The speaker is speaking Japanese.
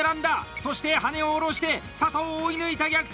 そして羽根を下ろして佐藤、追い抜いた！逆転！